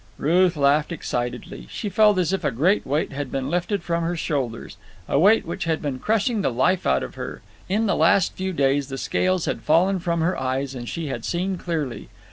Ruth laughed excitedly. She felt as if a great weight had been lifted from her shoulders—a weight which had been crushing the life out of her. In the last few days the scales had fallen from her eyes and she had seen clearly.